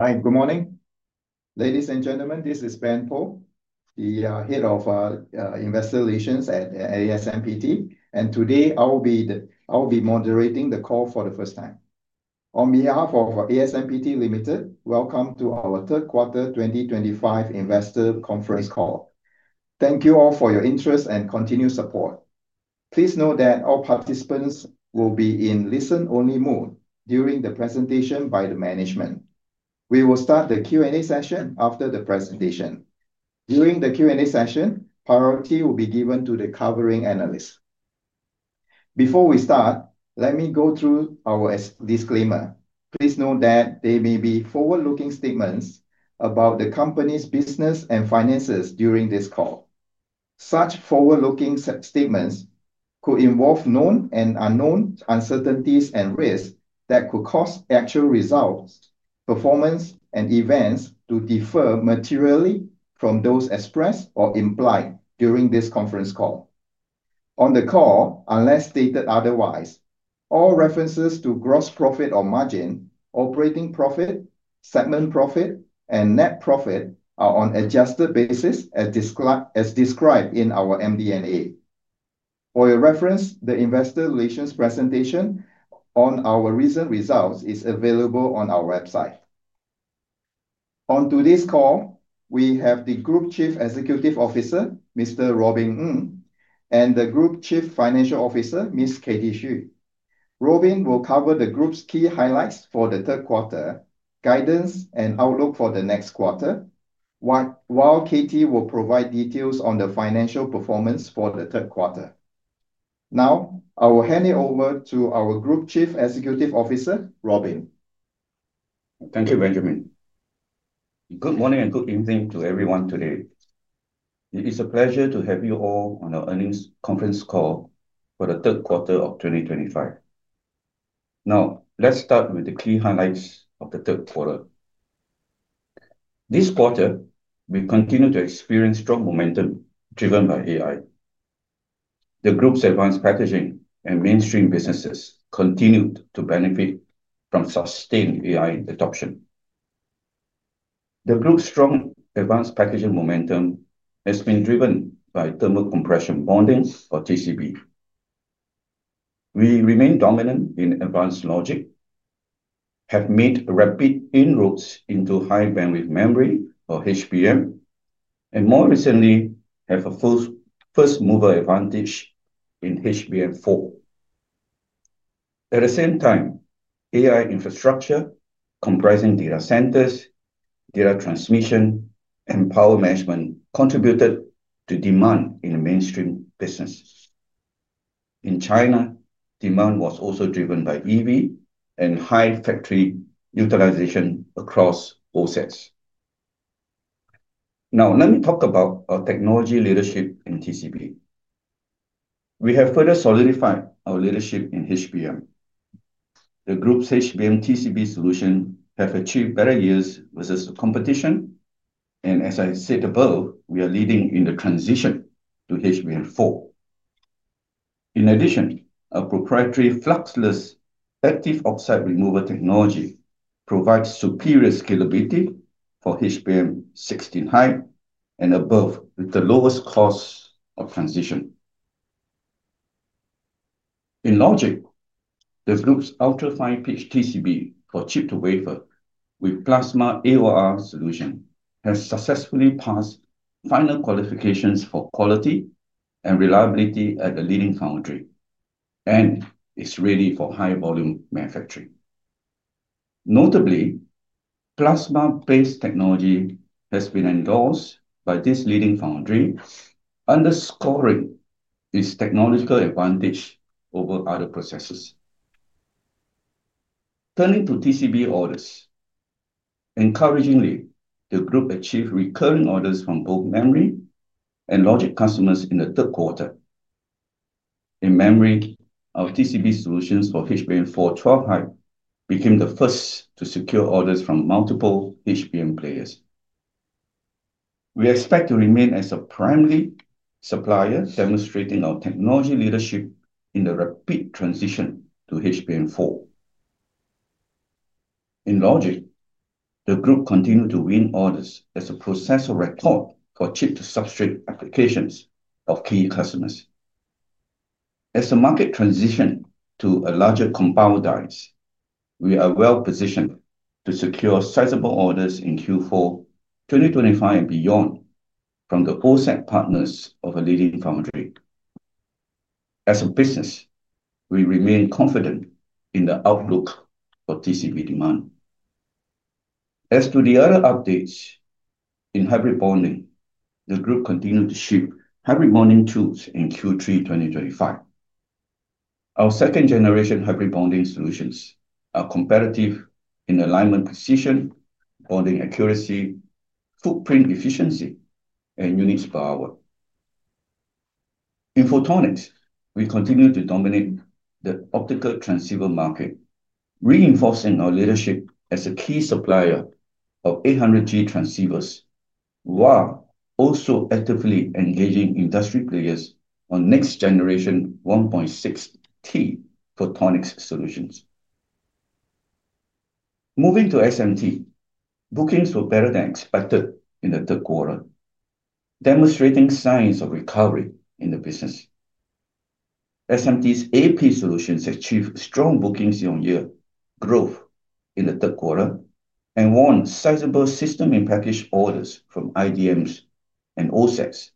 Good morning, ladies and gentlemen. This is Ben Poe, the Head of Investor Relations at ASMPT Limited, and today I will be moderating the call for the first time. On behalf of ASMPT Limited, welcome to our Third Quarter 2025 Investor Conference Call. Thank you all for your interest and continued support. Please note that all participants will be in listen-only mode during the presentation by the management. We will start the Q&A session after the presentation. During the Q&A session, priority will be given to the covering analyst. Before we start, let me go through our disclaimer. Please note that there may be forward-looking statements about the company's business and finances during this call. Such forward-looking statements could involve known and unknown uncertainties and risks that could cause actual results, performance, and events to differ materially from those expressed or implied during this conference call. On the call, unless stated otherwise, all references to gross profit or margin, operating profit, segment profit, and net profit are on an adjusted basis as described in our MDNA. For your reference, the Investor Relations presentation on our recent results is available on our website. On today's call, we have the Group Chief Executive Officer, Mr. Robin Ng, and the Group Chief Financial Officer, Ms. Katie Xu. Robin will cover the group's key highlights for the third quarter, guidance, and outlook for the next quarter, while Katie will provide details on the financial performance for the third quarter. Now, I will hand it over to our Group Chief Executive Officer, Robin. Thank you, Benjamin. Good morning and good evening to everyone today. It is a pleasure to have you all on our earnings conference call for the third quarter of 2025. Now, let's start with the key highlights of the third quarter. This quarter, we continue to experience strong momentum driven by AI. The group's advanced packaging and mainstream businesses continue to benefit from sustained AI adoption. The group's strong advanced packaging momentum has been driven by Thermo-Compression Bonding, or TCB. We remain dominant in advanced logic, have made rapid inroads into high bandwidth memory, or HBM, and more recently have a first mover advantage in HBM4. At the same time, AI infrastructure comprising data centers, data transmission, and power management contributed to demand in mainstream businesses. In China, demand was also driven by EV and high factory utilization across all sets. Now, let me talk about our technology leadership in TCB. We have further solidified our leadership in HBM. The group's HBM TCB solutions have achieved better yields versus the competition, and as I said above, we are leading in the transition to HBM4. In addition, our proprietary fluxless active oxide removal technology provides superior scalability for HBM16 high and above with the lowest cost of transition. In logic, the group's ultra-fine pitch TCB for chip to wafer with plasma AOR solution has successfully passed final qualifications for quality and reliability at the leading foundry, and it's ready for high-volume manufacturing. Notably, plasma-based technology has been endorsed by this leading foundry, underscoring its technological advantage over other processes. Turning to TCB orders, encouragingly, the group achieved recurring orders from both memory and logic customers in the third quarter. In memory, our TCB solutions for HBM4 12-high became the first to secure orders from multiple HBM players. We expect to remain as a primary supplier, demonstrating our technology leadership in the rapid transition to HBM4. In logic, the group continued to win orders as a process of record for chip-to-substrate applications of key customers. As the market transitions to larger compound dies, we are well positioned to secure sizable orders in Q4 2025 and beyond from the all-set partners of a leading foundry. As a business, we remain confident in the outlook for TCB demand. As to the other updates in hybrid bonding, the group continued to ship hybrid bonding tools in Q3 2025. Our second-generation hybrid bonding solutions are competitive in alignment precision, bonding accuracy, footprint efficiency, and units per hour. In photonics, we continue to dominate the optical transceiver market, reinforcing our leadership as a key supplier of 800G transceivers, while also actively engaging industry players on next-generation 1.6T photonics solutions. Moving to SMT, bookings were better than expected in the third quarter, demonstrating signs of recovery in the business. SMT's AP solutions achieved strong bookings year-on-year growth in the third quarter and won sizable system-in-package orders from IDMs and all sets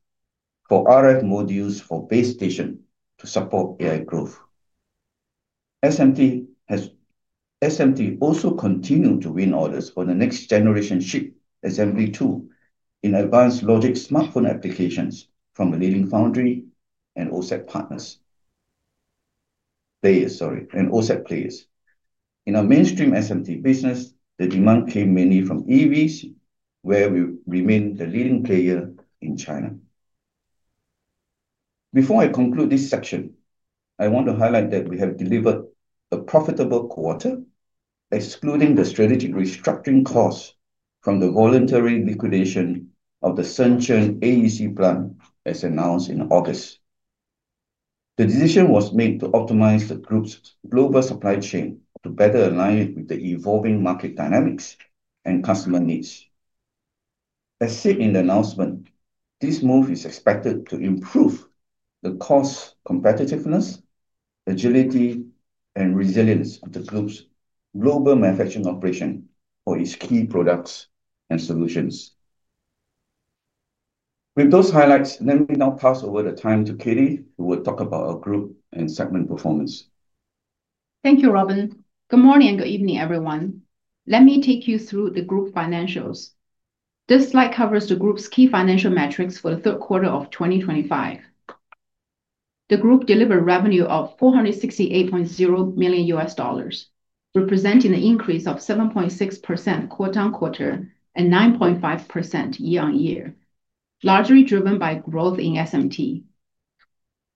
for RF modules for base stations to support AI growth. SMT also continued to win orders for the next-generation chip, SMP2, in advanced logic smartphone applications from the leading foundry and all-set players. In our mainstream SMT business, the demand came mainly from EVs, where we remain the leading player in China. Before I conclude this section, I want to highlight that we have delivered a profitable quarter, excluding the strategic restructuring cost from the voluntary liquidation of the Sun Churn AEC plan as announced in August. The decision was made to optimize the group's global supply chain to better align with the evolving market dynamics and customer needs. As stated in the announcement, this move is expected to improve the cost competitiveness, agility, and resilience of the group's global manufacturing operation for its key products and solutions. With those highlights, let me now pass over the time to Katie, who will talk about our group and segment performance. Thank you, Robin. Good morning and good evening, everyone. Let me take you through the group financials. This slide covers the group's key financial metrics for the third quarter of 2025. The group delivered revenue of $468.0 million, representing an increase of 7.6% quarter-on-quarter and 9.5% year-on-year, largely driven by growth in SMT.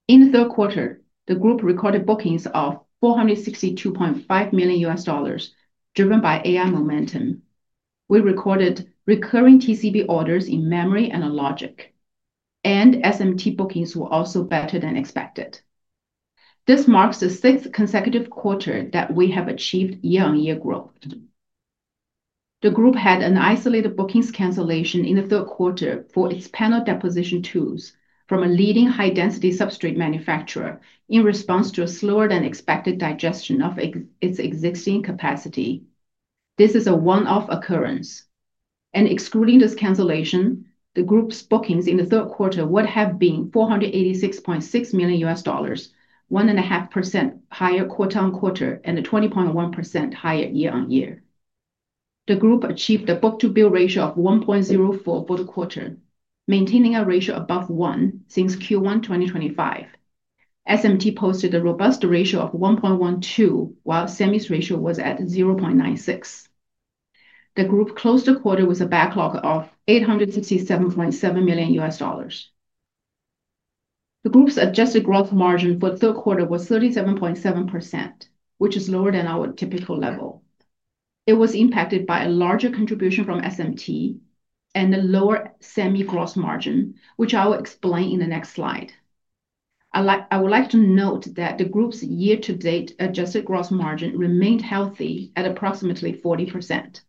In the third quarter, the group recorded bookings of $462.5 million, driven by AI momentum. We recorded recurring TCB orders in memory and logic, and SMT bookings were also better than expected. This marks the sixth consecutive quarter that we have achieved year-on-year growth. The group had an isolated bookings cancellation in the third quarter for its panel deposition tools from a leading high-density substrate manufacturer in response to a slower than expected digestion of its existing capacity. This is a one-off occurrence. Excluding this cancellation, the group's bookings in the third quarter would have been $486.6 million, 1.5% higher quarter-on-quarter and 20.1% higher year-on-year. The group achieved a book-to-bill ratio of 1.04 for the quarter, maintaining a ratio above one since Q1 2025. SMT posted a robust ratio of 1.12, while SEMI's ratio was at 0.96. The group closed the quarter with a backlog of $867.7 million. The group's adjusted gross margin for the third quarter was 37.7%, which is lower than our typical level. It was impacted by a larger contribution from SMT and the lower SEMI gross margin, which I will explain in the next slide. I would like to note that the group's year-to-date adjusted gross margin remained healthy at approximately 40%.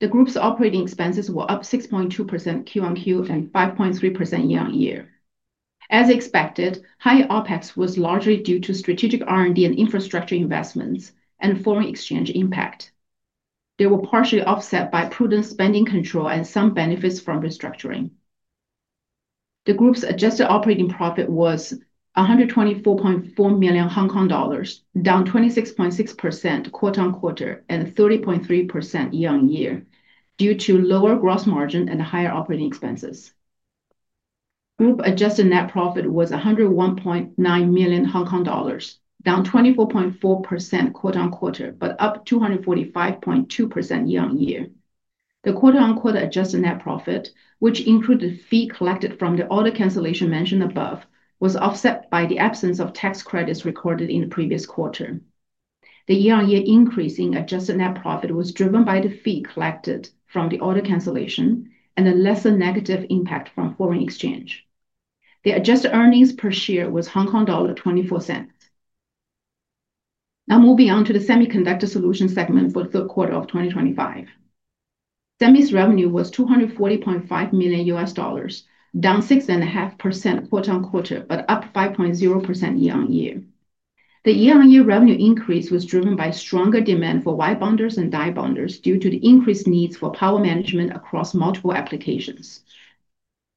The group's operating expenses were up 6.2% Q1 and Q2 and 5.3% year-on-year. As expected, high OPEX was largely due to strategic R&D and infrastructure investments and foreign exchange impact. They were partially offset by prudent spending control and some benefits from restructuring. The group's adjusted operating profit was 124.4 million Hong Kong dollars, down 26.6% quarter-on-quarter and 30.3% year-on-year due to lower gross margin and higher operating expenses. Group adjusted net profit was 101.9 million Hong Kong dollars, down 24.4% quarter-on-quarter but up 245.2% year-on-year. The quarter-on-quarter adjusted net profit, which included the fee collected from the order cancellation mentioned above, was offset by the absence of tax credits recorded in the previous quarter. The year-on-year increase in adjusted net profit was driven by the fee collected from the order cancellation and the lesser negative impact from foreign exchange. The adjusted earnings per share was 0.24. Now moving on to the Semiconductor solutions segment for the third quarter of 2025. SEMI's revenue was $240.5 million, down 6.5% quarter-on-quarter but up 5.0% year-on-year. The year-on-year revenue increase was driven by stronger demand for wire bonders and die bonders due to the increased needs for power management across multiple applications.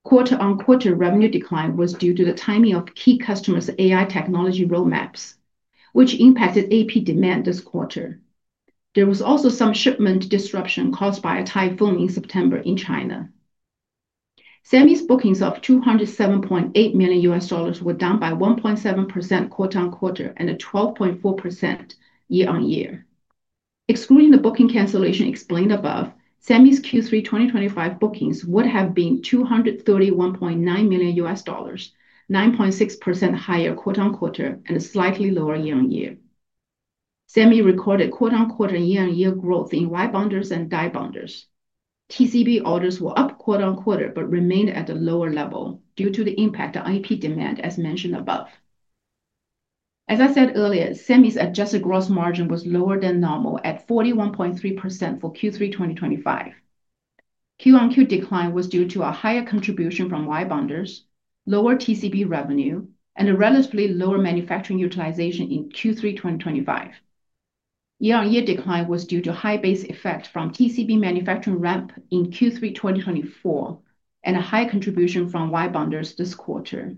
Quarter-on-quarter revenue decline was due to the timing of key customers' AI technology roadmaps, which impacted Advanced Packaging demand this quarter. There was also some shipment disruption caused by a typhoon in September in China. SEMI's bookings of $207.8 million were down by 1.7% quarter-on-quarter and 12.4% year-on-year. Excluding the booking cancellation explained above, SEMI's Q3 2025 bookings would have been $231.9 million, 9.6% higher quarter-on-quarter and slightly lower year-on-year. SEMI recorded quarter-on-quarter and year-on-year growth in wire bonders and die bonders. TCB orders were up quarter-on-quarter but remained at a lower level due to the impact on Advanced Packaging demand as mentioned above. As I said earlier, SEMI's adjusted gross margin was lower than normal at 41.3% for Q3 2025. Quarter-on-quarter decline was due to a higher contribution from wire bonders, lower TCB revenue, and a relatively lower manufacturing utilization in Q3 2025. Year-on-year decline was due to high base effect from TCB manufacturing ramp in Q3 2024 and a higher contribution from wire bonders this quarter.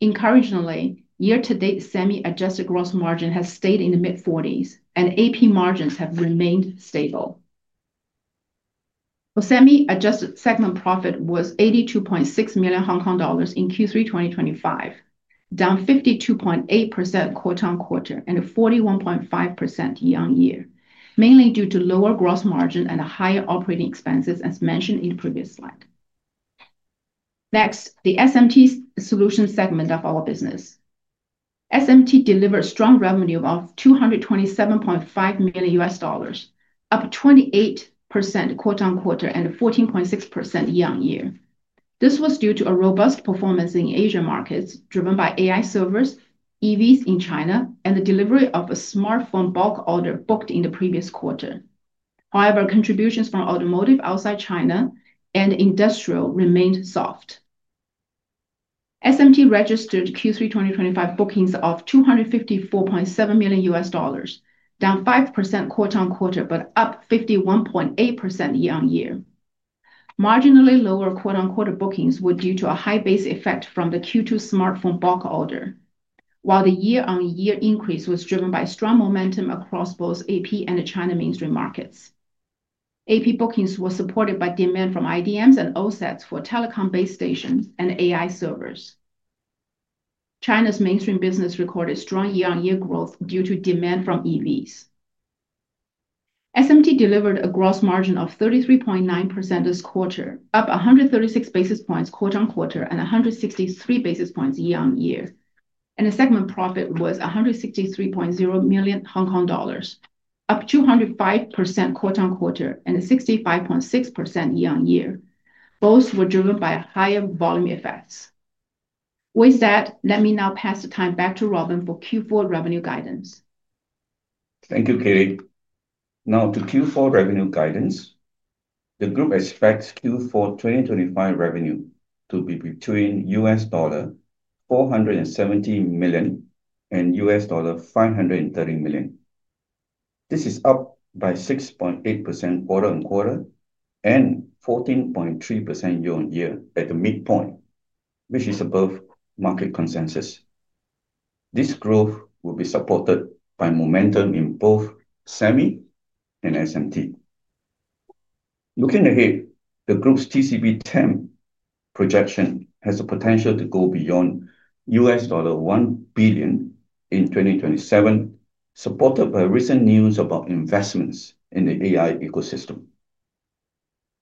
Encouragingly, year-to-date SEMI adjusted gross margin has stayed in the mid-40s and Advanced Packaging margins have remained stable. For SEMI, adjusted segment profit was 82.6 million Hong Kong dollars in Q3 2025, down 52.8% quarter-on-quarter and 41.5% year-on-year, mainly due to lower gross margin and higher operating expenses as mentioned in the previous slide. Next, the SMT solution segment of our business. SMT delivered strong revenue of $227.5 million, up 28% quarter-on-quarter and 14.6% year-on-year. This was due to a robust performance in Asian markets driven by AI servers, EVs in China, and the delivery of a smartphone bulk order booked in the previous quarter. However, contributions from automotive outside China and industrial remained soft. SMT registered Q3 2025 bookings of $254.7 million USD, down 5% quarter-on-quarter but up 51.8% year-on-year. Marginally lower quarter-on-quarter bookings were due to a high base effect from the Q2 smartphone bulk order, while the year-on-year increase was driven by strong momentum across both AP and the China mainstream markets. AP bookings were supported by demand from IDMs and all sets for telecom base stations and AI servers. China's mainstream business recorded strong year-on-year growth due to demand from EVs. SMT delivered a gross margin of 33.9% this quarter, up 136 basis points quarter-on-quarter and 163 basis points year-on-year, and the segment profit was $163.0 million HKD, up 205% quarter-on-quarter and 65.6% year-on-year. Both were driven by higher volume effects. With that, let me now pass the time back to Robin for Q4 revenue guidance. Thank you, Katie. Now to Q4 revenue guidance. The group expects Q4 2025 revenue to be between $470 million and $530 million. This is up by 6.8% quarter-on-quarter and 14.3% year-on-year at the midpoint, which is above market consensus. This growth will be supported by momentum in both SEMI and SMT. Looking ahead, the group's TCB total addressable market projection has the potential to go beyond $1 billion in 2027, supported by recent news about investments in the AI ecosystem.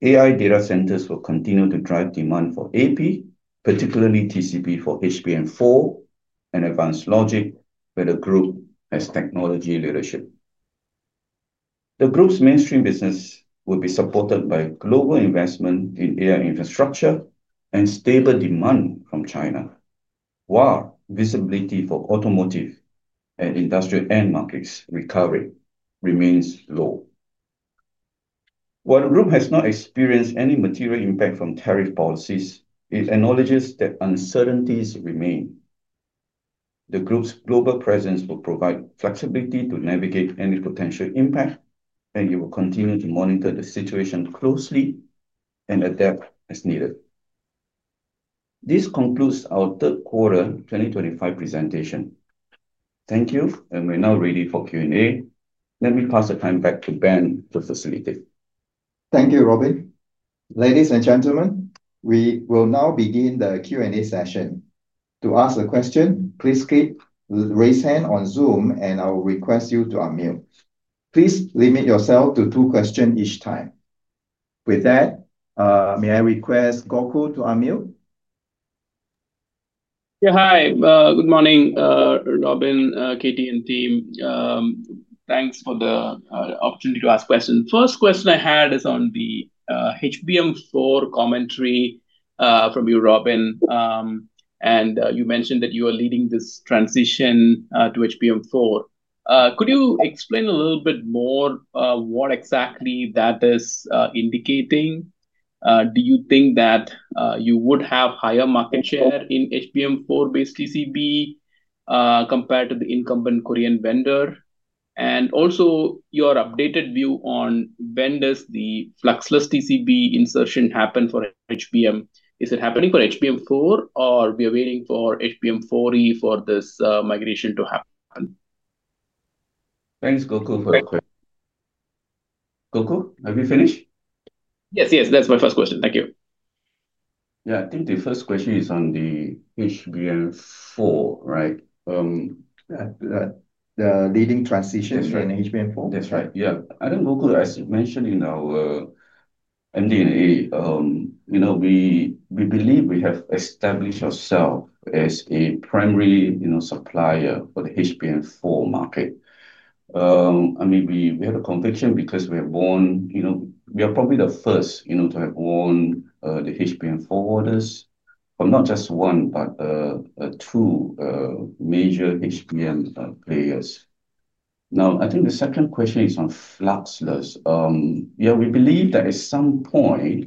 AI data centers will continue to drive demand for Advanced Packaging, particularly TCB for HBM4 and advanced logic where the group has technology leadership. The group's mainstream business will be supported by global investment in AI infrastructure and stable demand from China, while visibility for automotive and industrial end markets recovery remains low. While the group has not experienced any material impact from tariff policies, it acknowledges that uncertainties remain. The group's global presence will provide flexibility to navigate any potential impact, and it will continue to monitor the situation closely and adapt as needed. This concludes our third quarter 2025 presentation. Thank you, and we're now ready for Q&A. Let me pass the time back to Ben to facilitate. Thank you, Robin. Ladies and gentlemen, we will now begin the Q&A session. To ask a question, please click raise hand on Zoom, and I will request you to unmute. Please limit yourself to two questions each time. With that, may I request Gokul to unmute? Yeah, hi. Good morning, Robin, Katie, and team. Thanks for the opportunity to ask questions. First question I had is on the HBM4 commentary from you, Robin, and you mentioned that you are leading this transition to HBM4. Could you explain a little bit more what exactly that is indicating? Do you think that you would have higher market share in HBM4-based TCB compared to the incumbent Korean vendor? Also, your updated view on when does the fluxless TCB insertion happen for HBM? Is it happening for HBM4 or are we waiting for HBM4e for this migration to happen? Thanks, Gokul, for the question. Gokul, have you finished? Yes, yes, that's my first question. Thank you. Yeah, I think the first question is on the HBM4, right? The leading transition for an HBM4? That's right. Yeah. I think Gokul, as you mentioned in our MDNA, you know we believe we have established ourselves as a primary supplier for the HBM4 market. I mean, we have a conviction because we have won, you know, we are probably the first, you know, to have won the HBM4 orders from not just one, but two major HBM players. I think the second question is on fluxless. Yeah, we believe that at some point,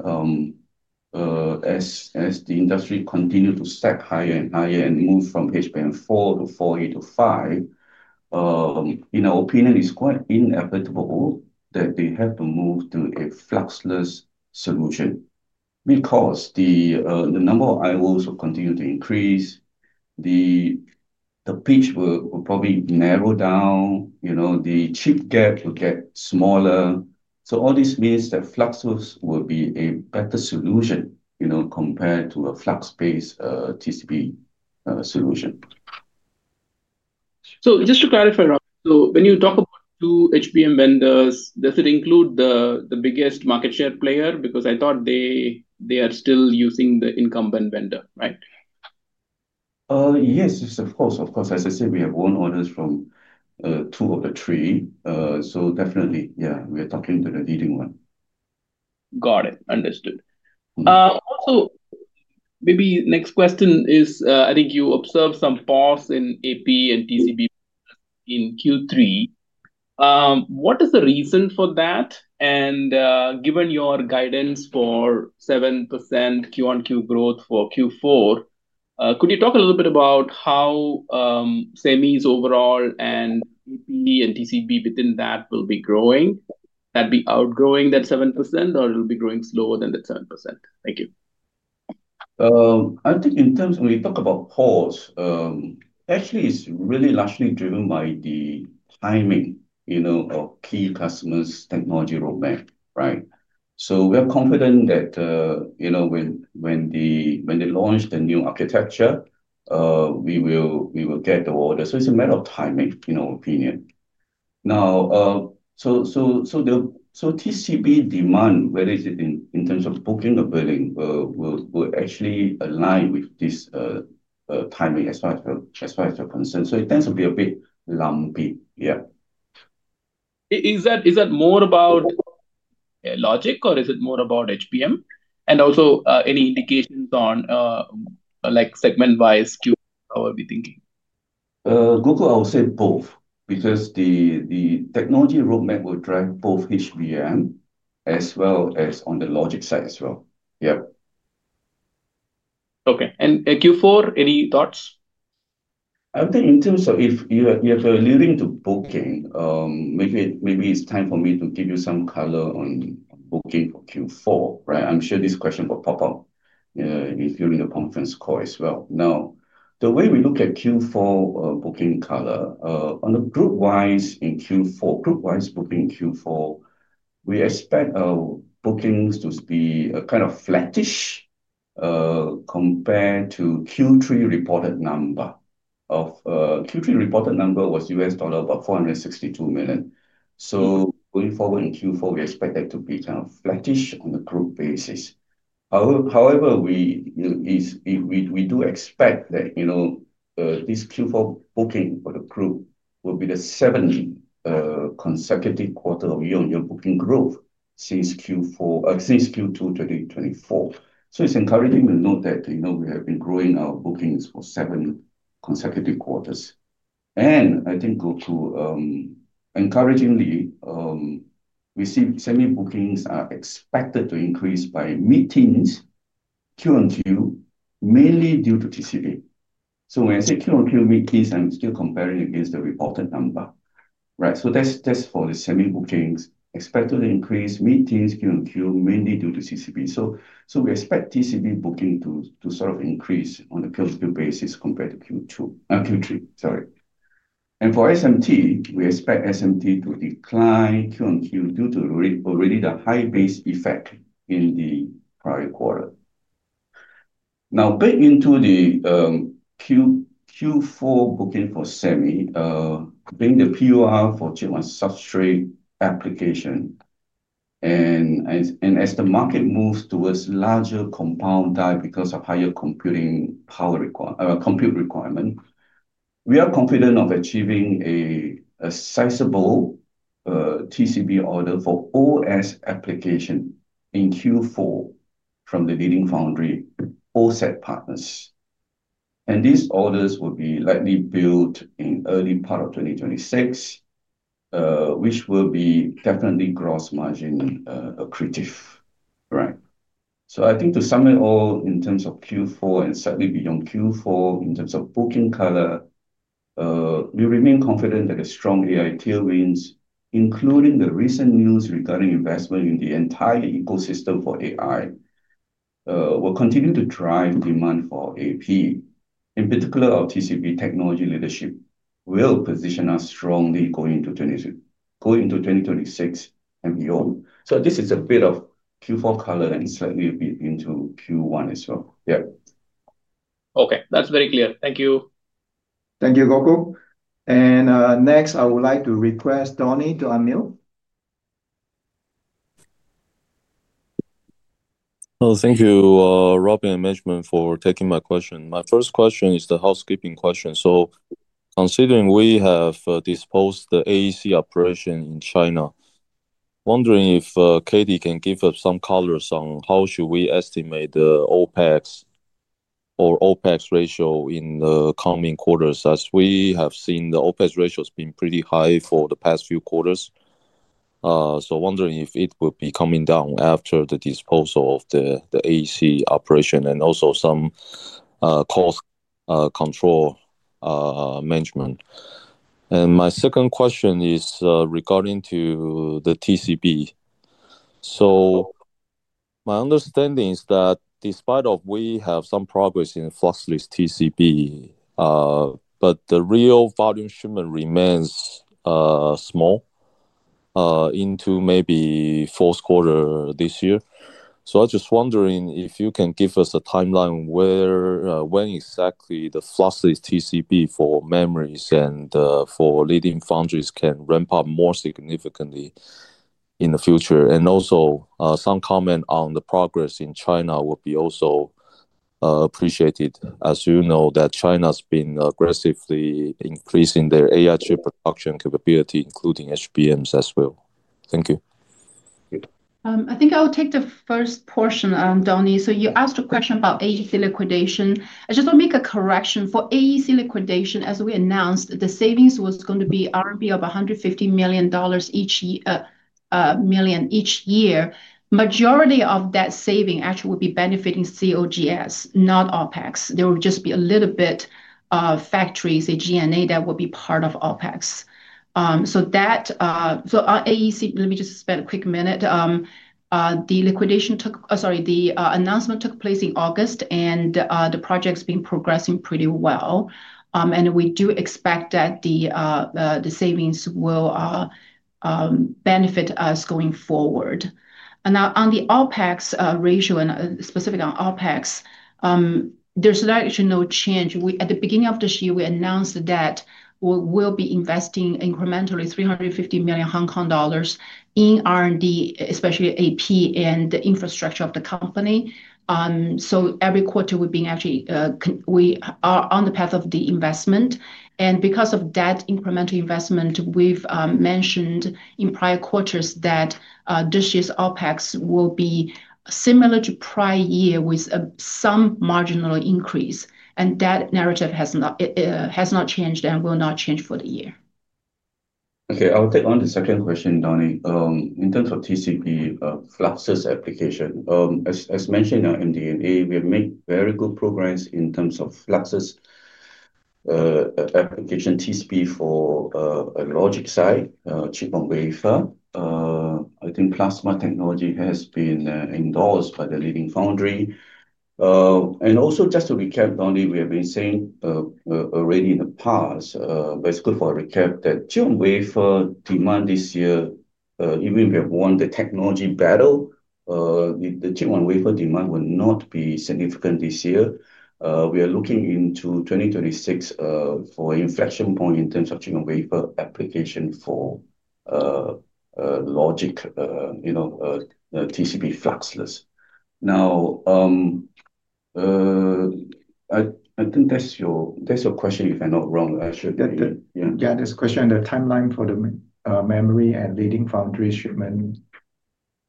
as the industry continues to stack higher and higher and move from HBM4 to 4E to 5, in our opinion, it's quite inevitable that they have to move to a fluxless solution because the number of I/Os will continue to increase, the pitch will probably narrow down, you know, the chip gap will get smaller. All this means that fluxless will be a better solution, you know, compared to a flux-based TCB solution. Just to clarify, Robin, when you talk about two HBM vendors, does it include the biggest market share player? Because I thought they are still using the incumbent vendor, right? Yes, of course. As I said, we have won orders from two of the three. We are talking to the leading one. Got it. Understood. Maybe the next question is, I think you observed some pause in AP and TCB in Q3. What is the reason for that? Given your guidance for 7% Q/Q growth for Q4, could you talk a little bit about how SEMI overall and AP and TCB within that will be growing? Will that be outgrowing that 7% or will it be growing slower than that 7%? Thank you. I think in terms of when you talk about pause, actually, it's really largely driven by the timing, you know, of key customers' technology roadmap, right? We are confident that, you know, when they launch the new architecture, we will get the order. It's a matter of timing, in our opinion. TCB demand, whether it's in terms of booking or billing, will actually align with this timing as far as you're concerned. It tends to be a bit lumpy, yeah. Is that more about logic or is it more about HBM? Also, any indications on segment-wise Q? How are we thinking? Gokul, I would say both because the technology roadmap will drive both HBM as well as on the logic side as well. Yeah. Okay. Q4, any thoughts? I think in terms of if you are leading to booking, maybe it's time for me to give you some color on booking for Q4, right? I'm sure this question will pop up during the conference call as well. Now, the way we look at Q4 booking color, on the group-wise in Q4, group-wise booking in Q4, we expect bookings to be kind of flattish compared to Q3 reported number. Q3 reported number was about $462 million. Going forward in Q4, we expect that to be kind of flattish on the group basis. However, we do expect that this Q4 booking for the group will be the seventh consecutive quarter of year-on-year booking growth since Q2 2024. It's encouraging to note that we have been growing our bookings for seven consecutive quarters. I think, Gokul, encouragingly, we see SEMI bookings are expected to increase by means Q-on-Q, mainly due to TCB. When I say Q-on-Q means, I'm still comparing against the reported number, right? That's for the SEMI bookings, expected to increase means Q-on-Q mainly due to TCB. We expect TCB booking to sort of increase on the Q-on-Q basis compared to Q3. Sorry. For SMT, we expect SMT to decline Q-on-Q due to already the high base effect in the prior quarter. Back into the Q4 booking for SEMI, being the PUR for chip-on-substrate application, and as the market moves towards larger compound die because of higher computing power requirements, compute requirement, we are confident of achieving a sizable TCB order for OS application in Q4 from the leading foundry, all set partners. These orders will be likely built in the early part of 2026, which will be definitely gross margin accretive. I think to sum it all in terms of Q4 and certainly beyond Q4, in terms of booking color, we remain confident that a strong AI tailwind, including the recent news regarding investment in the entire ecosystem for AI, will continue to drive demand for AP, in particular our TCB technology leadership, will position us strongly going into 2026 and beyond. This is a bit of Q4 color and slightly a bit into Q1 as well. Yeah. Okay, that's very clear. Thank you. Thank you, Gokul. Next, I would like to request Donnie to unmute. Thank you, Robin and management, for taking my question. My first question is the housekeeping question. Considering we have disposed the AEC operation in China, I'm wondering if Katie can give us some colors on how we should estimate the OpEx or OpEx ratio in the coming quarters, as we have seen the OpEx ratio has been pretty high for the past few quarters. I'm wondering if it will be coming down after the disposal of the AEC operation and also some cost control management. My second question is regarding the TCB. My understanding is that despite we have some progress in fluxless TCB, the real volume shipment remains small into maybe the fourth quarter this year. I'm just wondering if you can give us a timeline when exactly the fluxless TCB for memories and for leading foundries can ramp up more significantly in the future. Also, some comment on the progress in China would be appreciated, as you know that China has been aggressively increasing their AI chip production capability, including HBMs as well. Thank you. I think I'll take the first portion, Donnie. You asked a question about AEC liquidation. I just want to make a correction. For AEC liquidation, as we announced, the savings was going to be R&D of $150 million each year. Majority of that saving actually would be benefiting COGS, not OpEx. There would just be a little bit of factories, say G&A, that would be part of OpEx. Our AEC, let me just spend a quick minute. The announcement took place in August, and the project's been progressing pretty well. We do expect that the savings will benefit us going forward. Now on the OpEx ratio, and specifically on OpEx, there's actually no change. At the beginning of this year, we announced that we will be investing incrementally $350 million HKD in R&D, especially AP and the infrastructure of the company. Every quarter, we've been actually, we are on the path of the investment. Because of that incremental investment, we've mentioned in prior quarters that this year's OpEx will be similar to prior year with some marginal increase. That narrative has not changed and will not change for the year. Okay. I'll take on the second question, Donnie. In terms of TCB fluxless application, as mentioned in our MDNA, we have made very good progress in terms of fluxless application TCB for a logic side, chip on wafer. I think plasma technology has been endorsed by the leading foundry. Just to recap, Donnie, we have been saying already in the past, basically for a recap, that chip on wafer demand this year, even if we have won the technology battle, the chip on wafer demand will not be significant this year. We are looking into 2026 for an inflection point in terms of chip on wafer application for logic TCB fluxless. I think that's your question, if I'm not wrong. Yeah, this question on the timeline for the memory and leading foundry shipment.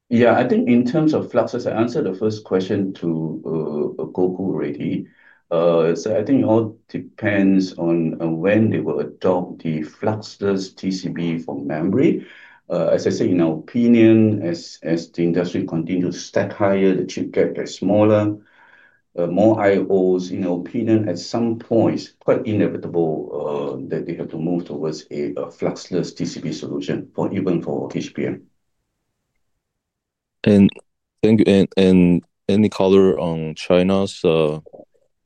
Yeah, I think in terms of fluxless, I answered the first question to Gokul already. I think it all depends on when they will adopt the fluxless TCB for memory. As I said, in our opinion, as the industry continues to stack higher, the chip gap gets smaller, more I/Os. In our opinion, at some point, it's quite inevitable that they have to move towards a fluxless TCB solution even for HBM. Thank you. Any color on China's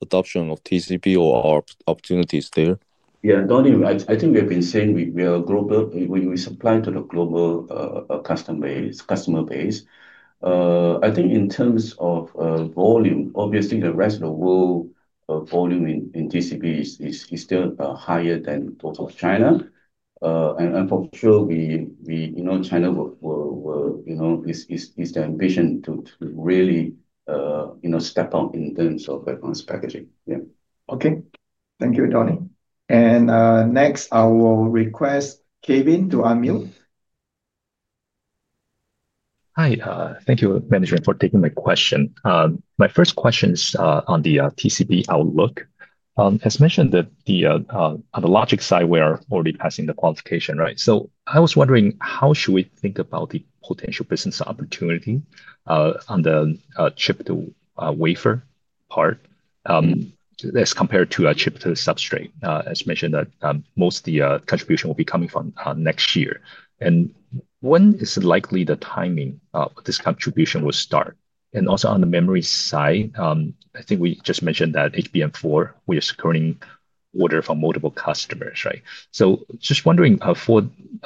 adoption of TCB or opportunities there? Yeah, Donnie, I think we have been saying we are a global, we supply to the global customer base. I think in terms of volume, obviously, the rest of the world volume in TCB is still higher than those of China. For sure, China is the ambition to really step up in terms of advanced packaging. Yeah. Okay. Thank you, Donnie. Next, I will request Kevin to unmute. Hi. Thank you, management, for taking my question. My first question is on the TCB outlook. As mentioned, on the logic side, we are already passing the qualification, right? I was wondering, how should we think about the potential business opportunity on the chip-to-wafer part as compared to chip-to-substrate? As mentioned, most of the contribution will be coming from next year. When is it likely the timing of this contribution will start? Also, on the memory side, I think we just mentioned that HBM4, we are securing orders from multiple customers, right? Just wondering for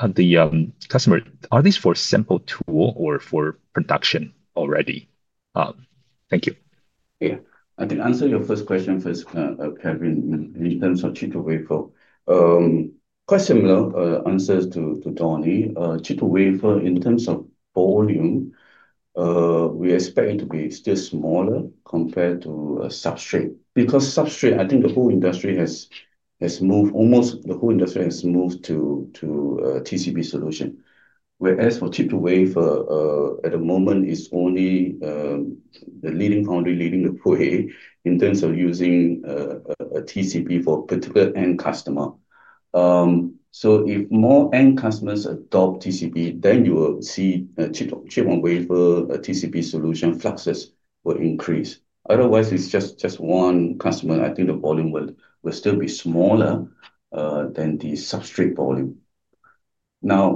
the customer, are these for a sample tool or for production already? Thank you. Yeah. I can answer your first question first, Kevin, in terms of chip-to-wafer. Quite similar answers to Donnie. Chip-to-wafer, in terms of volume, we expect it to be still smaller compared to a substrate. Because substrate, I think the whole industry has moved, almost the whole industry has moved to TCB solution. Whereas for chip-to-wafer, at the moment, it's only the leading foundry leading the way in terms of using a TCB for a particular end customer. If more end customers adopt TCB, then you will see chip-on-wafer TCB solution fluxless will increase. Otherwise, it's just one customer. I think the volume will still be smaller than the substrate volume.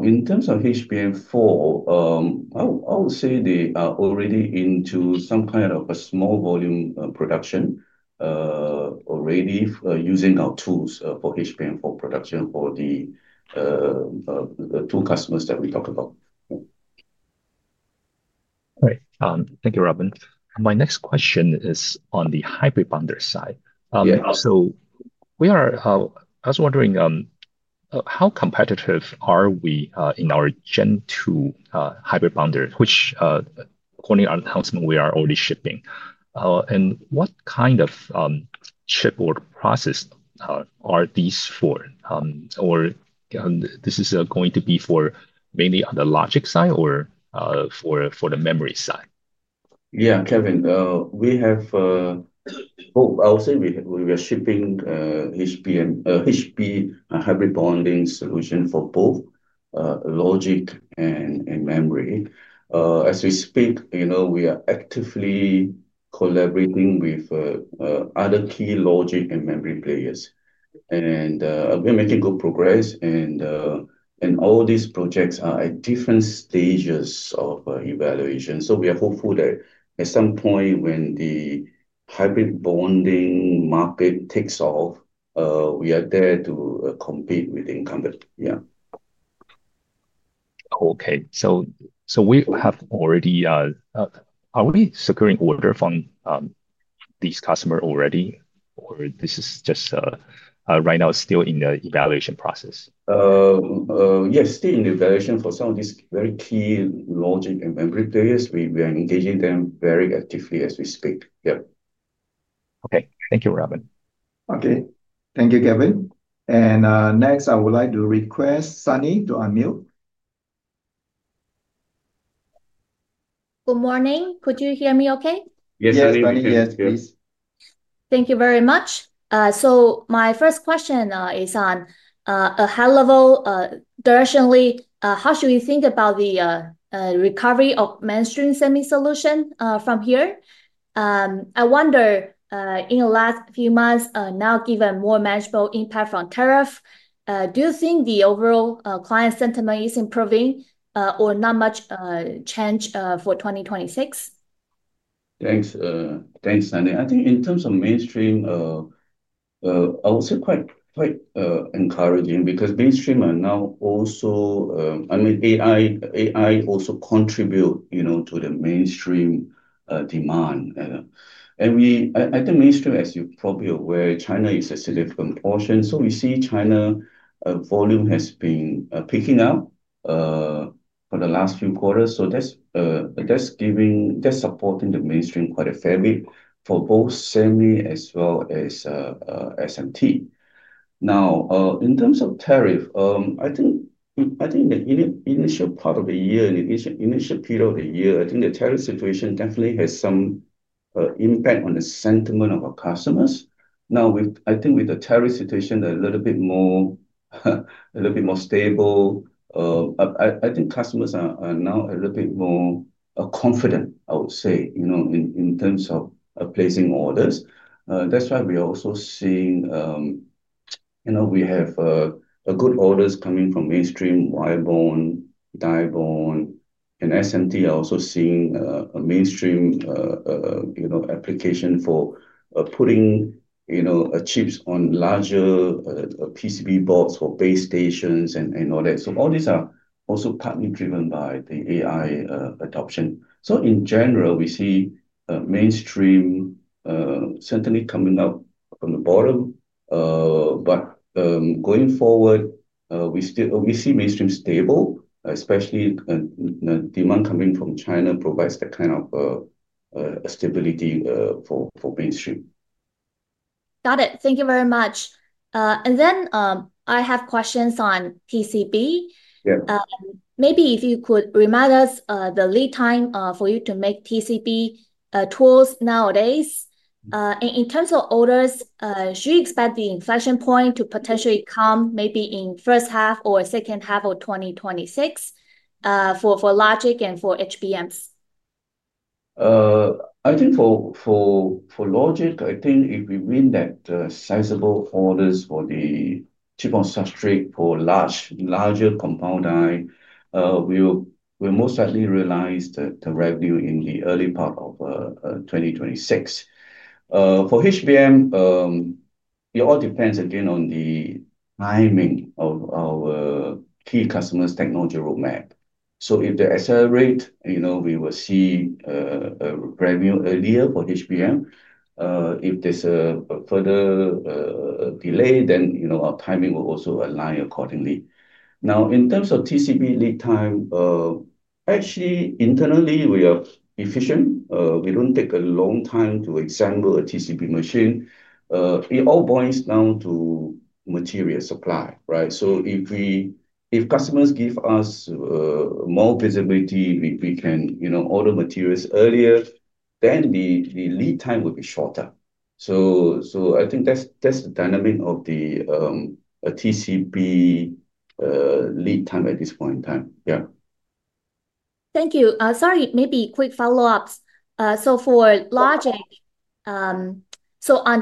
In terms of HBM4, I would say they are already into some kind of a small volume production already using our tools for HBM4 production for the two customers that we talked about. All right. Thank you, Robin. My next question is on the hybrid binder side. I was wondering, how competitive are we in our Gen 2 hybrid bonding tools, which according to our announcement, we are already shipping? What kind of chip or process are these for? Is this going to be mainly on the logic side or for the memory side? Yeah, Kevin, we have, I would say we are shipping hybrid bonding solution for both logic and memory. As we speak, we are actively collaborating with other key logic and memory players, and we are making good progress. All these projects are at different stages of evaluation. We are hopeful that at some point when the hybrid bonding market takes off, we are there to compete with the incumbent. Yeah. Okay. Are we securing order from these customers already, or is this just right now still in the evaluation process? Yes, still in the evaluation for some of these very key logic and memory players. We are engaging them very actively as we speak. Okay. Thank you, Robin. Okay. Thank you, Kevin. Next, I would like to request Sunny to unmute. Good morning. Could you hear me okay? Yes, Sunny, yes, please. Thank you very much. My first question is on a high-level directionally, how should we think about the recovery of mainstream Semiconductor solutions from here? I wonder, in the last few months, now given more manageable impact from tariff, do you think the overall client sentiment is improving or not much change for 2026? Thanks, Sunny. I think in terms of mainstream, I would say quite encouraging because mainstream are now also, I mean, AI also contributes to the mainstream demand. I think mainstream, as you're probably aware, China is a significant portion. We see China volume has been picking up for the last few quarters. That's supporting the mainstream quite a fair bit for both SEMI as well as SMT. In terms of tariff, I think in the initial part of the year, in the initial period of the year, the tariff situation definitely has some impact on the sentiment of our customers. With the tariff situation, they're a little bit more stable. I think customers are now a little bit more confident, I would say, in terms of placing orders. That's why we are also seeing we have good orders coming from mainstream, ribbon, die bond, and SMT are also seeing a mainstream application for putting chips on larger PCB boards for base stations and all that. All these are also partly driven by the AI adoption. In general, we see mainstream certainly coming up from the bottom. Going forward, we see mainstream stable, especially demand coming from China provides that kind of stability for mainstream. Got it. Thank you very much. I have questions on TCB. Maybe if you could remind us the lead time for you to make TCB tools nowadays. In terms of orders, should we expect the inflection point to potentially come maybe in the first half or second half of 2026 for logic and for HBMs? I think for logic, if we win that sizable orders for the chip-on-substrate for large, larger compound die, we will most likely realize the revenue in the early part of 2026. For HBM, it all depends again on the timing of our key customers' technology roadmap. If they accelerate, you know, we will see revenue earlier for HBM. If there's a further delay, then, you know, our timing will also align accordingly. In terms of TCB lead time, actually, internally, we are efficient. We don't take a long time to assemble a TCB machine. It all boils down to material supply, right? If customers give us more visibility, we can, you know, order materials earlier, then the lead time will be shorter. I think that's the dynamic of the TCB lead time at this point in time. Yeah. Thank you. Sorry, maybe quick follow-ups. For logic, on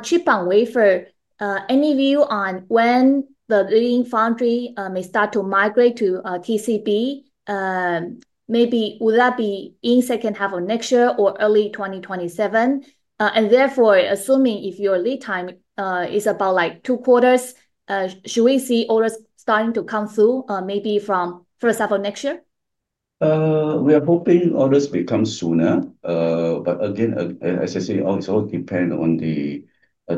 chip-on-wafer, any view on when the leading foundry may start to migrate to TCB? Will that be in the second half of next year or early 2027? Therefore, assuming if your lead time is about two quarters, should we see orders starting to come through from the first half of next year? We are hoping orders will come sooner. As I say, it all depends on the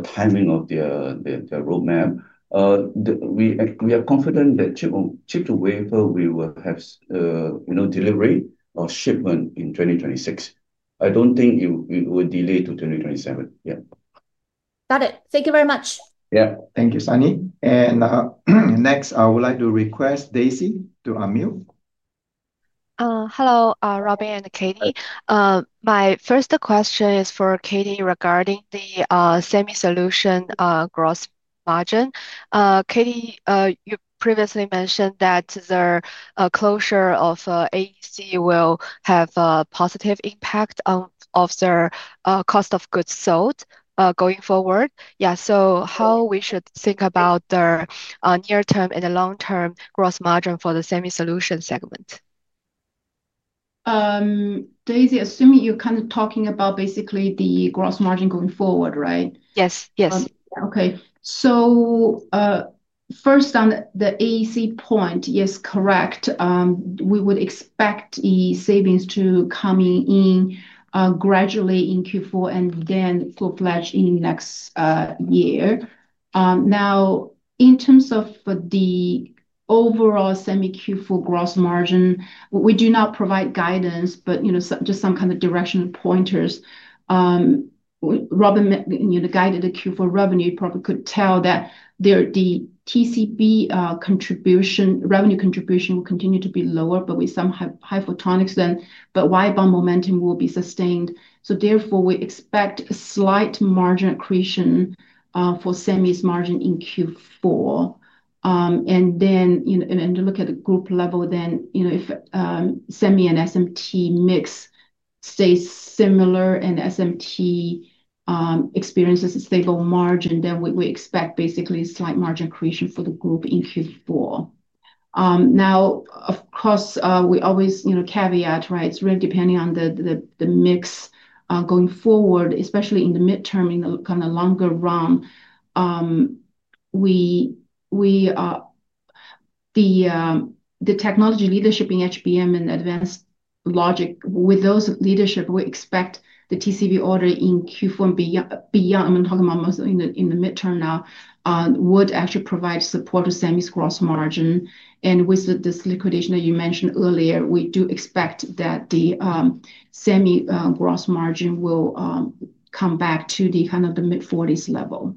timing of the roadmap. We are confident that chip-to-wafer will have, you know, delivery or shipment in 2026. I don't think it will delay to 2027. Yeah. Got it. Thank you very much. Thank you, Sunny. Next, I would like to request Daisy to unmute. Hello, Robin and Katie. My first question is for Katie regarding the SEMI solution gross margin. Katie, you previously mentioned that the closure of AEC will have a positive impact on the cost of goods sold going forward. How should we think about the near-term and the long-term gross margin for the SEMI solution segment? Daisy, assuming you're kind of talking about basically the gross margin going forward, right? Yes, yes. Okay. So first on the AEC point, yes, correct. We would expect the savings to come in gradually in Q4 and then full fledged in the next year. Now, in terms of the overall SEMI Q4 gross margin, we do not provide guidance, but you know, just some kind of directional pointers. Robin guided the Q4 revenue, you probably could tell that the TCB revenue contribution will continue to be lower, with some photonics then, but wire bond momentum will be sustained. Therefore, we expect a slight margin accretion for SEMI's margin in Q4. You know, and look at the group level, if SEMI and SMT mix stays similar and SMT experiences a stable margin, then we expect basically slight margin accretion for the group in Q4. Of course, we always caveat, right? It's really depending on the mix going forward, especially in the midterm, in the kind of longer run. The technology leadership in HBM and the advanced logic, with those leadership, we expect the TCB order in Q4 and beyond, I'm talking about mostly in the midterm now, would actually provide support to SEMI's gross margin. With this liquidation that you mentioned earlier, we do expect that the SEMI gross margin will come back to the kind of the mid-40% level.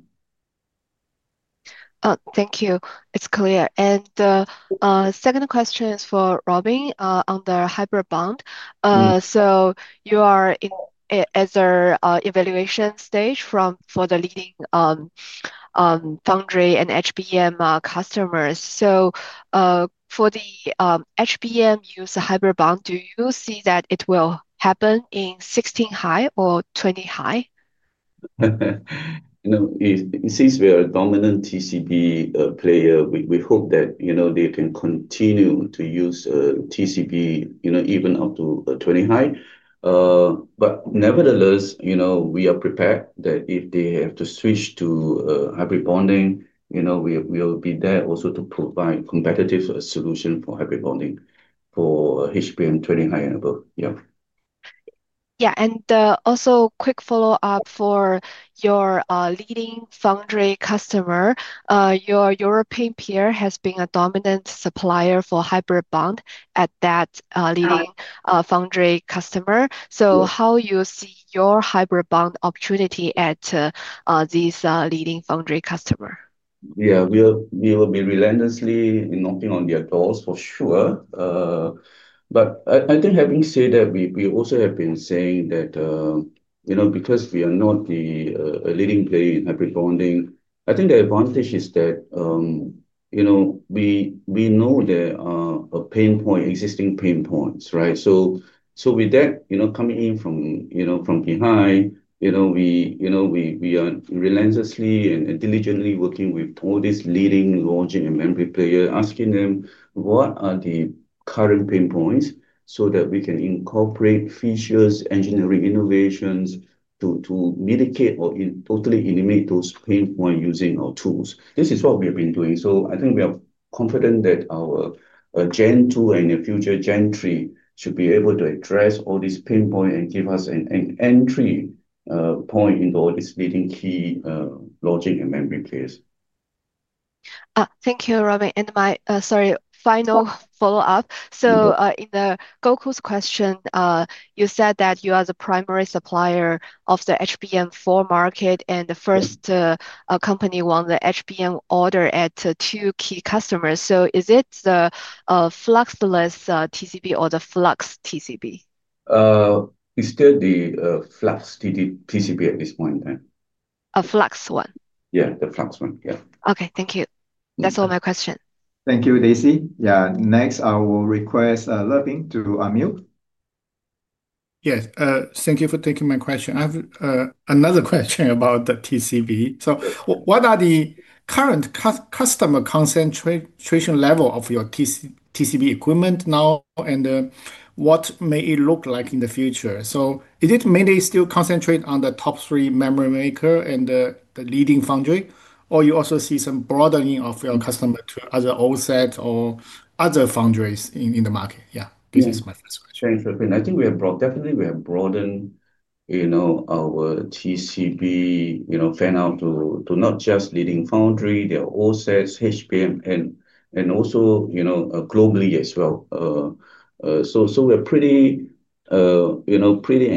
Thank you. It's clear. The second question is for Robin on the hybrid bond. You are in the evaluation stage for the leading foundry and HBM customers. For the HBM use hybrid bond, do you see that it will happen in 16 high or 20 high? Since we are a dominant TCB player, we hope that they can continue to use TCB, even up to 20 high. Nevertheless, we are prepared that if they have to switch to hybrid bonding, we will be there also to provide a competitive solution for hybrid bonding for HBM 20 high and above. Yeah, also, a quick follow-up for your leading foundry customer. Your European peer has been a dominant supplier for hybrid bond at that leading foundry customer. How do you see your hybrid bond opportunity at this leading foundry customer? Yeah, we will be relentlessly knocking on their doors, for sure. I think, having said that, we also have been saying that, you know, because we are not a leading player in hybrid bonding, I think the advantage is that we know there are existing pain points, right? With that, coming in from behind, we are relentlessly and diligently working with all these leading logic and memory players, asking them what are the current pain points so that we can incorporate features, engineering innovations to mitigate or totally eliminate those pain points using our tools. This is what we have been doing. I think we are confident that our Gen 2 and the future Gen 3 should be able to address all these pain points and give us an entry point into all these leading key logic and memory players. Thank you, Robin. My final follow-up. In Gokul's question, you said that you are the primary supplier of the HBM4 market and the first company that won the HBM order at two key customers. Is it the fluxless TCB or the flux TCB? It's still the flux TCB at this point in time. A flux one? Yeah, the flux one. Yeah. Okay. Thank you. That's all my question. Thank you, Daisy. Next, I will request Levin to unmute. Yes. Thank you for taking my question. I have another question about the TCB. What are the current customer concentration levels of your TCB equipment now, and what may it look like in the future? Is it mainly still concentrated on the top three memory makers and the leading foundry, or do you also see some broadening of your customer to other assets or other foundries in the market? Yeah, this is my first question. I think we have definitely broadened our TCB fan out to not just leading foundry, their all sets, HBM, and also globally as well. We're pretty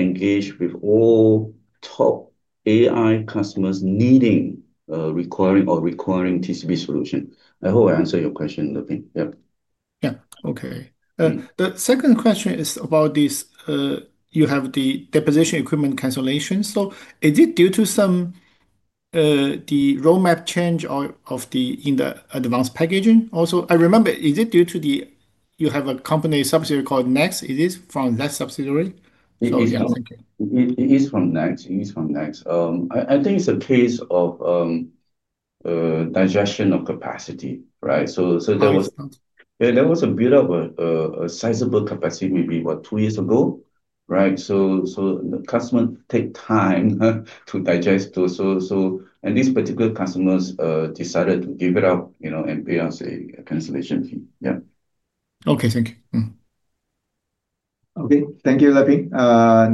engaged with all top AI customers needing or requiring TCB solutions. I hope I answered your question, Levin. Yeah. Okay. The second question is about this. You have the deposition equipment cancellation. Is it due to some of the roadmap change in the advanced packaging also? I remember, is it due to the you have a company subsidiary called Next? Is this from that subsidiary? It is from Next. I think it's a case of digestion of capacity, right? There was a build-up of a sizable capacity maybe about two years ago, right? Customers take time to digest those. These particular customers decided to give it up, you know, and pay us a cancellation fee. Yeah. Okay, thank you. Okay. Thank you, Levin.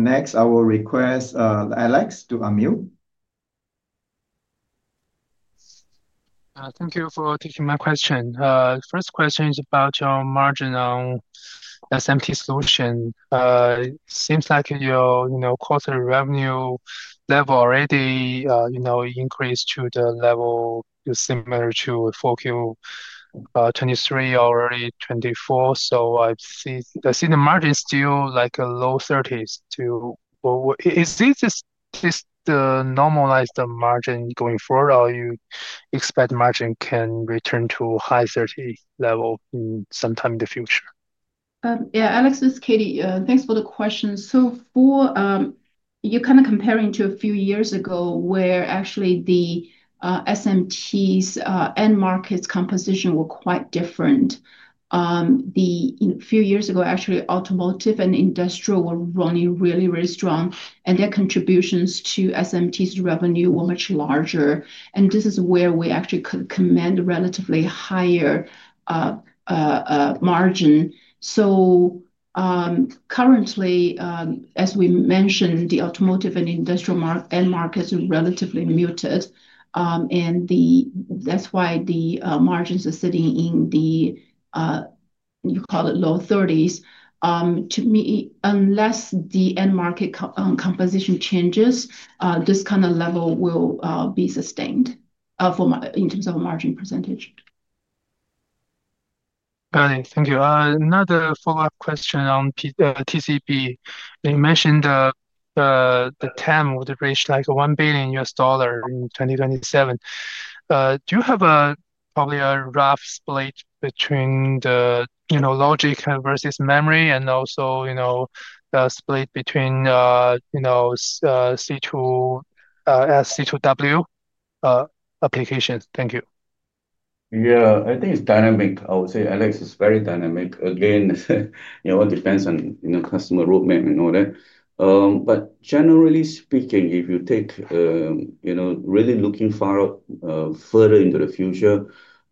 Next, I will request Alex to unmute. Thank you for taking my question. The first question is about your margin on SMT solution. It seems like your quarterly revenue level already increased to the level similar to Q4 2023 or early 2024. I see the margin is still like a low 30%. Is this the normalized margin going forward, or do you expect the margin can return to a high 30% level sometime in the future? Yeah. Alex, this is Katie. Thanks for the question. You're kind of comparing to a few years ago where actually the SMT's end market's composition was quite different. A few years ago, actually, automotive and industrial were running really, really strong, and their contributions to SMT's revenue were much larger. This is where we actually command a relatively higher margin. Currently, as we mentioned, the automotive and industrial end markets are relatively muted. That's why the margins are sitting in the, you call it, low 30%. To me, unless the end market composition changes, this kind of level will be sustained in terms of a margin percentage. Got it. Thank you. Another follow-up question on TCB. They mentioned the total addressable market would reach $1 billion in 2027. Do you have probably a rough split between the, you know, logic versus memory and also, you know, the split between, you know, C2S, C2W applications? Thank you. Yeah, I think it's dynamic. I would say Alex is very dynamic. It depends on customer roadmap and all that. Generally speaking, if you take really looking far up further into the future,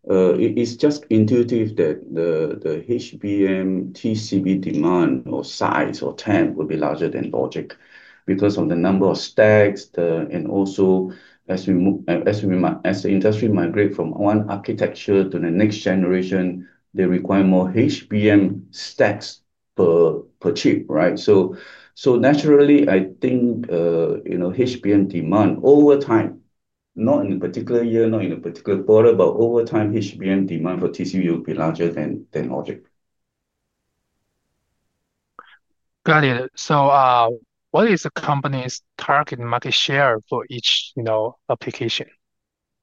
it's just intuitive that the HBM TCB demand or size or total addressable market will be larger than logic because of the number of stacks. Also, as the industry migrates from one architecture to the next generation, they require more HBM stacks per chip, right? Naturally, I think HBM demand over time, not in a particular year, not in a particular quarter, but over time, HBM demand for TCB will be larger than logic. Got it. What is the company's target market share for each, you know, application?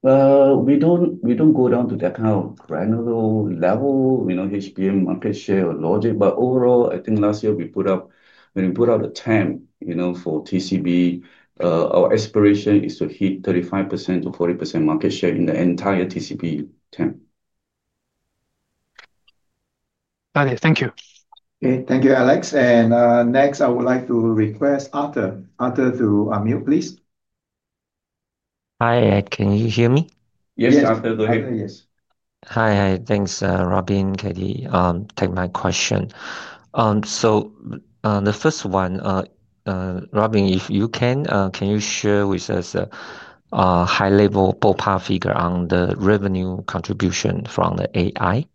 We don't go down to that kind of granular level, you know, HBM market share or logic. Overall, I think last year we put up, when we put out a total addressable market, you know, for TCB, our aspiration is to hit 35%-40% market share in the entire TCB total addressable market. Got it. Thank you. Okay. Thank you, Alex. Next, I would like to request Arthur to unmute, please. Hi. Can you hear me? Yes, Arthur. Go ahead. Yes. Hi. Thanks, Robin, Katie. Take my question. The first one, Robin, if you can, can you share with us a high-level ballpark figure on the revenue contribution from the AI?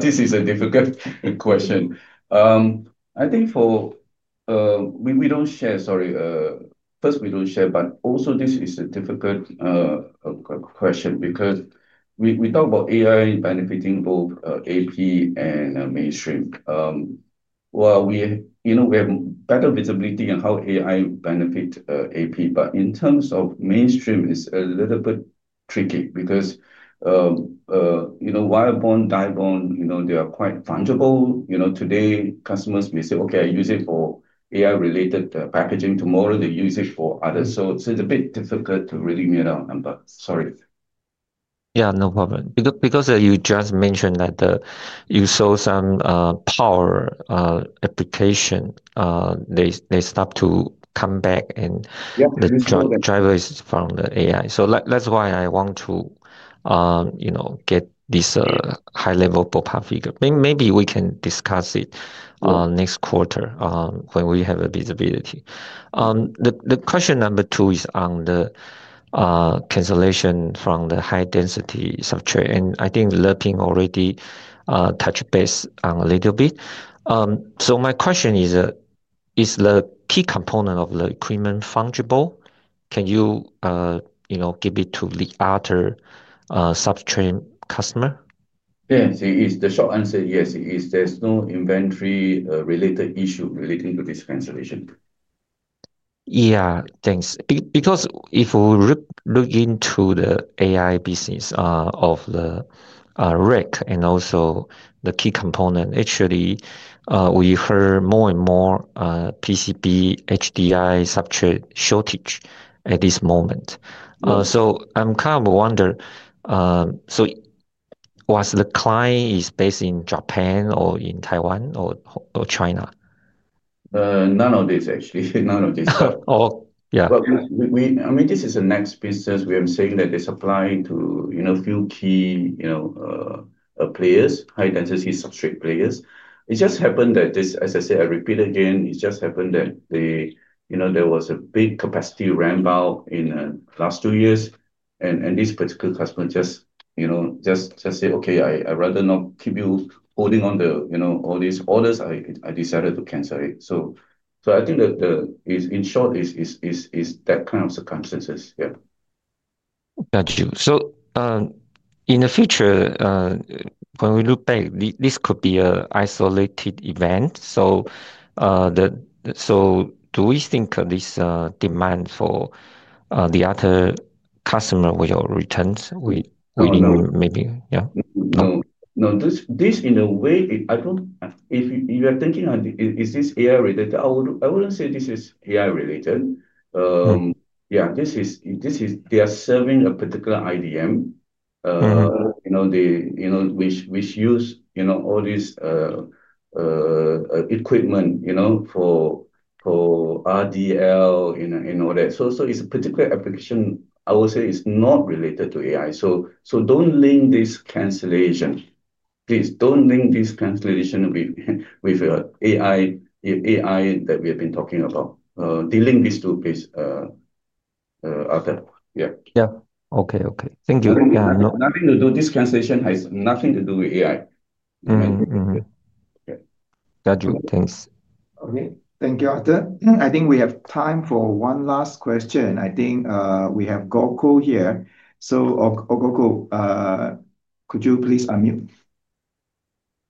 This is a difficult question. I think we don't share, sorry. First, we don't share, but also this is a difficult question because we talk about AI benefiting both AP and mainstream. We have better visibility on how AI benefits AP. In terms of mainstream, it's a little bit tricky because, you know, wire bonders, die bonders, you know, they are quite fungible. Today, customers may say, "Okay, I use it for AI-related packaging." Tomorrow, they use it for others. It's a bit difficult to really meet our number. Sorry. Yeah, no problem. Because you just mentioned that you saw some power application, they start to come back and the driver is from the AI. That's why I want to, you know, get this high-level ballpark figure. Maybe we can discuss it next quarter when we have visibility. The question number two is on the cancellation from the high-density substrate. I think Leonard already touched base on it a little bit. My question is, is the key component of the equipment fungible? Can you, you know, give it to the other substrate customer? Yes, there's no inventory-related issue relating to this cancellation. Yeah, thanks. If we look into the AI business of the rack and also the key component, actually, we heard more and more PCB HDI substrate shortage at this moment. I'm kind of wondering, was the client based in Japan or in Taiwan or China? None of this, actually. None of this. Oh, yeah. I mean, this is a next business. We are saying that they supply to a few key players, high-density substrate players. It just happened that this, as I said, I repeat again, it just happened that there was a big capacity ramp out in the last two years. This particular customer just said, "Okay, I'd rather not keep you holding on to all these orders. I decided to cancel it." I think that, in short, it's that kind of circumstances. Yeah. Got you. In the future, when we look back, this could be an isolated event. Do we think of this demand for the other customer with your returns? No. Maybe. Yeah. No, no. In a way, I don't know if you are thinking on, is this AI-related? I wouldn't say this is AI-related. This is, they are serving a particular IDM, you know, which uses all this equipment for RDL and all that. It's a particular application. I would say it's not related to AI. Don't link this cancellation. Please, don't link this cancellation with AI that we have been talking about. Delink these two pieces, Arthur. Yeah. Okay. Thank you. This cancellation has nothing to do with AI. Got you. Thanks. Okay. Thank you, Arthur. I think we have time for one last question. I think we have Gokul here. Gokul, could you please unmute?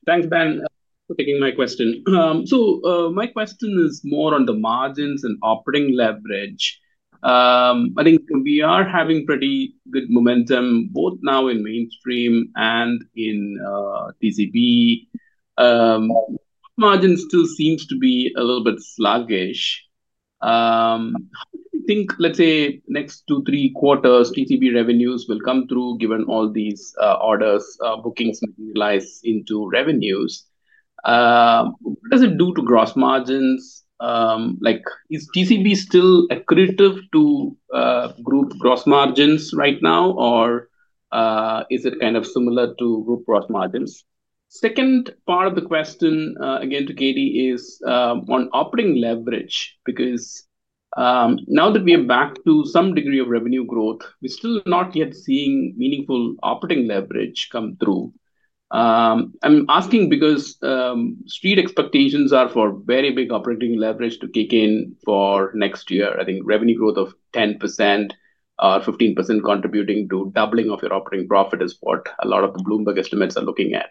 Thanks, Ben, for taking my question. My question is more on the margins and operating leverage. I think we are having pretty good momentum both now in mainstream and in TCB. Margin still seems to be a little bit sluggish. How do you think, let's say, next two, three quarters, TCB revenues will come through given all these orders bookings materialize into revenues? What does it do to gross margins? Is TCB still accretive to group gross margins right now, or is it kind of similar to group gross margins? Second part of the question, again, to Katie, is on operating leverage because now that we are back to some degree of revenue growth, we're still not yet seeing meaningful operating leverage come through. I'm asking because street expectations are for very big operating leverage to kick in for next year. I think revenue growth of 10% or 15% contributing to doubling of your operating profit is what a lot of the Bloomberg estimates are looking at.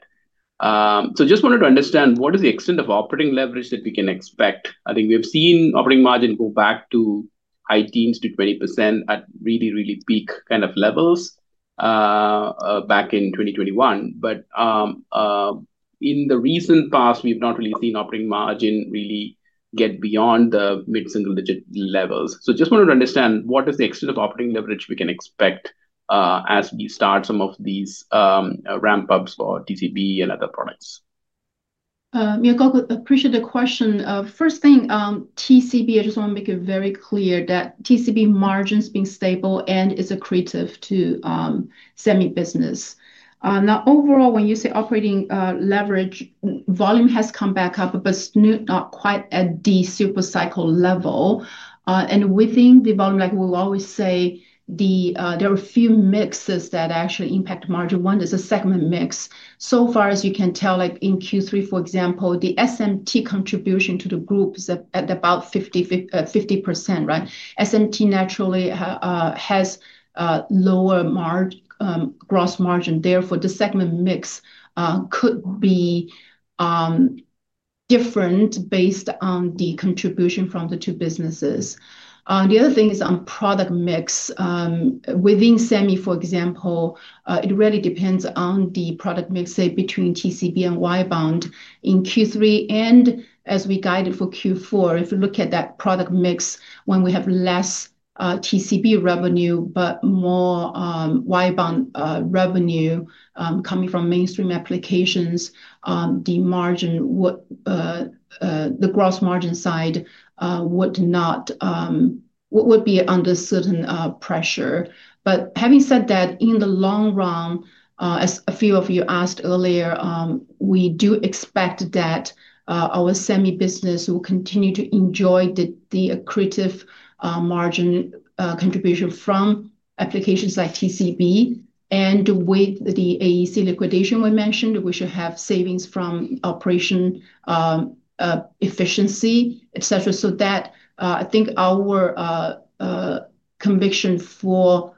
I just wanted to understand what is the extent of operating leverage that we can expect. I think we have seen operating margin go back to high teens to 20% at really, really peak kind of levels back in 2021. In the recent past, we've not really seen operating margin really get beyond the mid-single-digit levels. I just wanted to understand what is the extent of operating leverage we can expect as we start some of these ramp-ups for TCB and other products? Yeah, Gokul, appreciate the question. First thing, TCB, I just want to make it very clear that TCB margins being stable and is accretive to semi-business. Now, overall, when you say operating leverage, volume has come back up, but not quite at the super cycle level. Within the volume, like we'll always say, there are a few mixes that actually impact margin. One, there's a segment mix. So far as you can tell, like in Q3, for example, the SMT contribution to the group is at about 50%, right? SMT naturally has a lower gross margin. Therefore, the segment mix could be different based on the contribution from the two businesses. The other thing is on product mix. Within semi, for example, it really depends on the product mix, say, between TCB and wire bond in Q3. As we guided for Q4, if we look at that product mix, when we have less TCB revenue, but more wire bond revenue coming from mainstream applications, the gross margin side would be under certain pressure. Having said that, in the long run, as a few of you asked earlier, we do expect that our semi-business will continue to enjoy the accretive margin contribution from applications like TCB. With the AEC liquidation we mentioned, we should have savings from operation efficiency, etc., so that I think our conviction for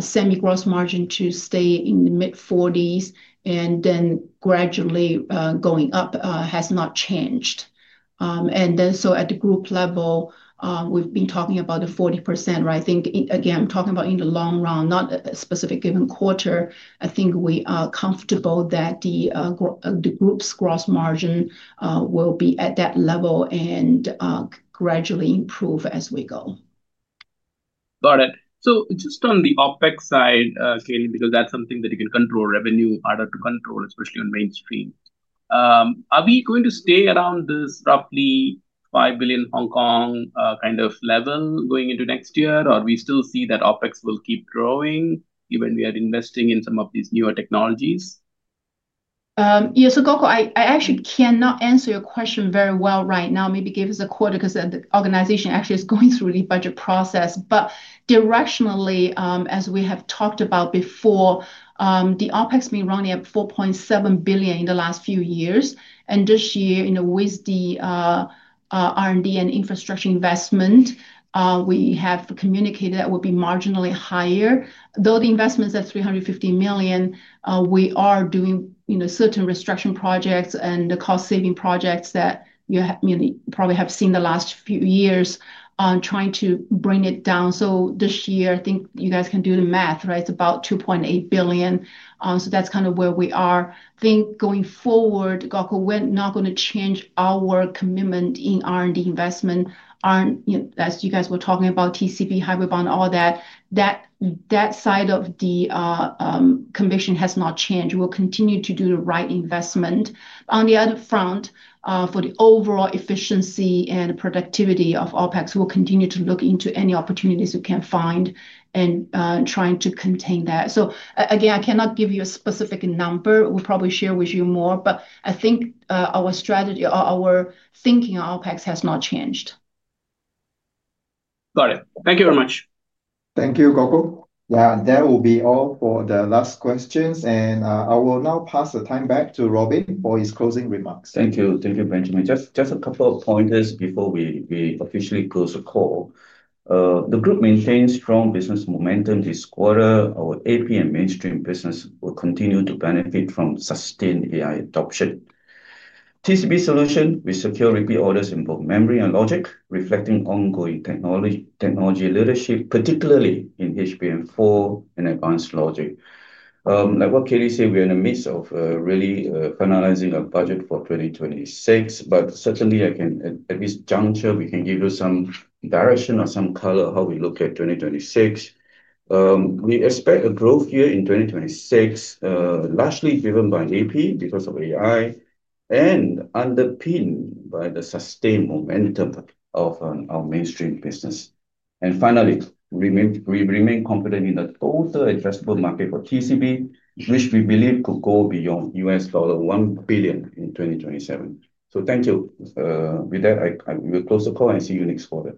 semi-gross margin to stay in the mid-40% and then gradually going up has not changed. At the group level, we've been talking about the 40%, right? I think, again, I'm talking about in the long run, not a specific given quarter. I think we are comfortable that the group's gross margin will be at that level and gradually improve as we go. Got it. Just on the OpEx side, Katie, because that's something that you can control, revenue is harder to control, especially on mainstream. Are we going to stay around this roughly 5 billion Hong Kong kind of level going into next year, or do we still see that OpEx will keep growing when we are investing in some of these newer technologies? Yeah. Gokul, I actually cannot answer your question very well right now. Maybe give us a quarter because the organization actually is going through the budget process. Directionally, as we have talked about before, the OpEx has been running at $4.7 billion in the last few years. This year, with the R&D and infrastructure investment, we have communicated that would be marginally higher. Though the investment is at $350 million, we are doing certain restructuring projects and the cost-saving projects that you probably have seen the last few years on trying to bring it down. This year, I think you guys can do the math, right? It's about $2.8 billion. That's kind of where we are. I think going forward, Gokul, we're not going to change our commitment in R&D investment. As you guys were talking about TCB, hybrid bond, all that, that side of the conviction has not changed. We'll continue to do the right investment. On the other front, for the overall efficiency and productivity of OpEx, we'll continue to look into any opportunities we can find and trying to contain that. Again, I cannot give you a specific number. We'll probably share with you more. I think our strategy, our thinking on OpEx has not changed. Got it. Thank you very much. Thank you, Gokul. That will be all for the last questions. I will now pass the time back to Robin for his closing remarks. Thank you. Thank you, Benjamin. Just a couple of pointers before we officially close the call. The group maintains strong business momentum this quarter. Our AP and mainstream business will continue to benefit from sustained AI adoption. TCB solutions, we secure repeat orders in both memory and logic, reflecting ongoing technology leadership, particularly in HBM4 and advanced logic. Like what Katie said, we are in the midst of really finalizing a budget for 2026. Certainly, I can at this juncture, we can give you some direction or some color of how we look at 2026. We expect a growth year in 2026, largely driven by AP because of AI and underpinned by the sustained momentum of our mainstream business. Finally, we remain confident in the total addressable market for TCB, which we believe could go beyond $1 billion in 2027. Thank you. With that, I will close the call and see you next quarter.